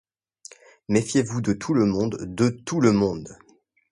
Méfiez-vous de tout le monde, de tout le monde !